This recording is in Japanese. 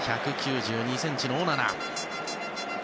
１９２ｃｍのオナナ。